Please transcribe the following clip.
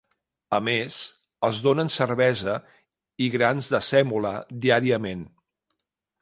A més, els donen cervesa i grans de sèmola diàriament.